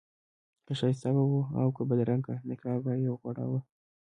که ښایسته به و او که بدرنګه نقاب به یې غوړاوه.